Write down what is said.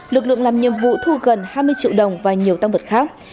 lực lượng làm nhiệm vụ thu gần hai mươi triệu đồng và nhiều tăng vật khác